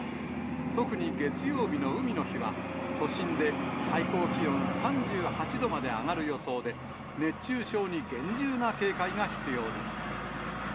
特に月曜日の海の日は、都心で最高気温３８度まで上がる予想で、熱中症に厳重な警戒が必要です。